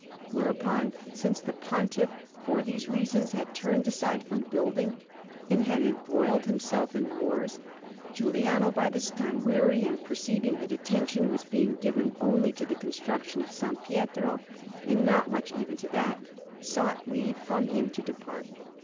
Whereupon, since the Pontiff, for these reasons, had turned aside from building and had embroiled himself in wars, Giuliano, by this time weary, and perceiving that attention was being given only to the construction of S. Pietro, and not much even to that, sought leave from him to depart.